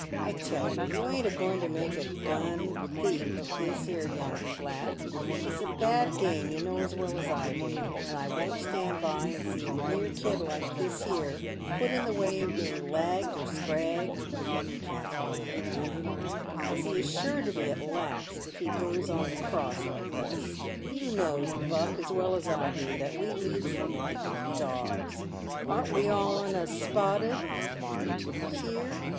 I tell you, you ain't a going to make a gun (thief) of this here young flat ; it's a bad game, you know as well as I do, and I won't stand by and see a mere kid like this here put in the way of being lagged or scragged (transported or hanged) as he i3 sure to be at last if he goes on the cross like us. Tou knows, Buck, as well as I do, that we leads the life of dogs. Arn't we all on us spotted (marked) here